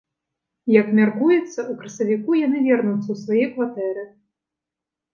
Як мяркуецца, у красавіку яны вернуцца ў свае кватэры.